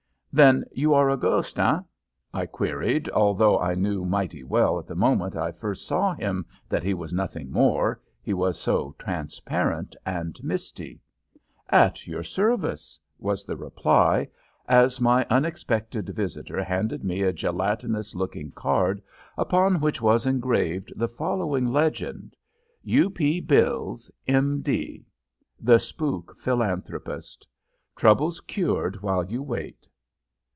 "Then you are a ghost, eh?" I queried, although I knew mighty well at the moment I first saw him that he was nothing more, he was so transparent and misty. "At your service," was the reply, as my unexpected visitor handed me a gelatinous looking card, upon which was engraved the following legend: U. P. BILLS, M.D., "The Spook Philanthropist." Troubles Cured While You Wait.